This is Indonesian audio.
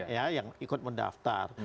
yang ikut mendaftar